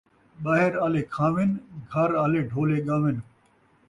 ٻاہر آلے کھاون، گھر آلے ڈھولے ڳاون